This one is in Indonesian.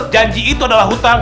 janji itu adalah hutang